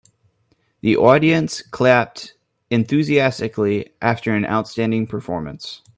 The audience clapped enthusiastically after an outstanding performance.